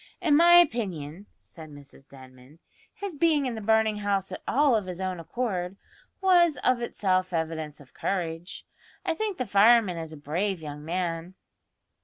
"In my opinion," said Mrs Denman, "his being in the burning house at all of his own accord, was of itself evidence of courage. I think the fireman is a brave young man."